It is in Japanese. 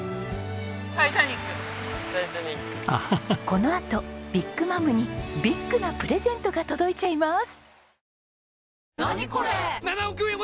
このあとビッグマムにビッグなプレゼントが届いちゃいます！